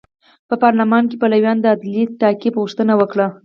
په پارلمان کې پلویانو د عدلي تعقیب غوښتنه وکړه.